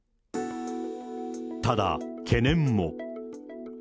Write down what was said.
ただ、懸念も。